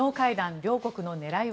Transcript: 両国の狙いは。